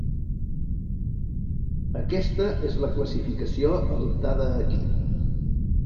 Aquesta és la classificació adoptada aquí.